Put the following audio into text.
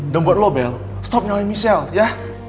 dan buat lo bel stop nyalain michelle ya